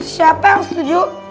siapa yang setuju